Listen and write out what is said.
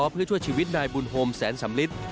เพื่อช่วยชีวิตนายบุญโฮมแสนสำลิด